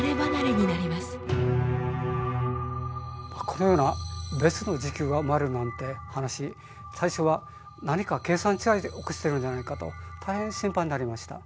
このような別の時空が生まれるなんて話最初は何か計算違いで起こしてるんじゃないかと大変心配になりました。